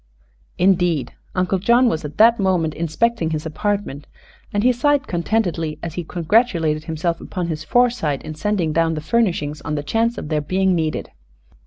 Indeed, Uncle John was at that moment inspecting his apartment, and he sighed contentedly as he congratulated himself upon his foresight in sending down the furnishings on the chance of their being needed.